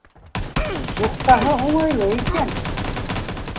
— Бухтаһы уңайлы икән.